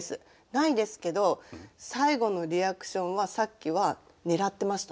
ないんですけど最後のリアクションはさっきは狙ってましたね」